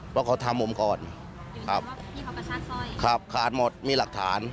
เพราะเขาทำผมก่อนครับที่เขากระชากสร้อยครับขาดหมดมีหลักฐาน